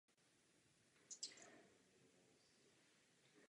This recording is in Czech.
Světec hledí vzhůru.